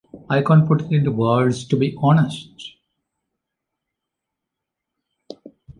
I can't put it into words to be honest.